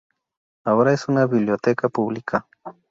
Ahora es una biblioteca pública.